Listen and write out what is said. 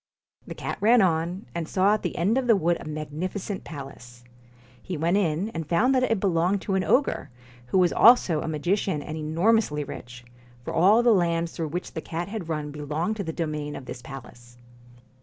The cat ran on, and saw at the end of the wood a magnificent palace. He went in, and found that it belonged to an ogre, who was also a magician and enormously rich, for all the lands through which the cat had run belonged to the domain of this palace.